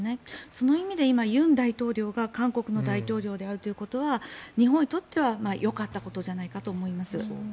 その意味で今、尹大統領が韓国の大統領であるということは日本にとってはよかったことじゃないかと思います。